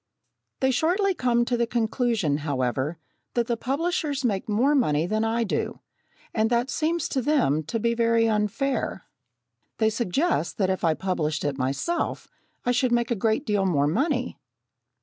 They shortly come to the conclusion, however, that the publishers make more money than I do, and that seems to them to be very unfair. They suggest that if I published it myself, I should make a great deal more money!